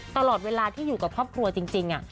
ตลอดเวลาที่อยู่กับครอบครัวจริง